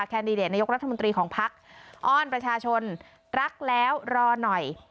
แครนดิเดร์ดนายกรัฐพรรมดรีของภักษ์อ้อนประชาชนรักแล้วรอหน่อย